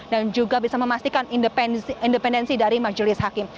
dan juga bisa memastikan independensi dari majelis hakim